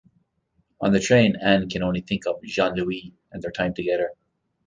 On the train Anne can only think of Jean-Louis and their time together.